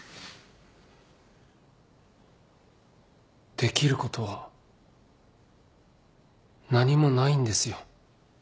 できることは何もないんですよ。